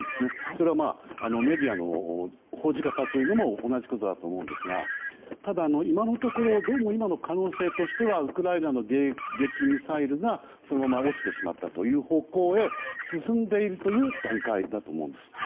それはメディアの報じ方も同じことだと思うんですがただ、今のところどうも今の可能性としてはウクライナの迎撃ミサイルがそのまま落ちてしまったという方向へ進んでいるという段階だと思うんです。